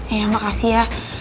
iya makasih ya